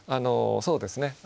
そうですね。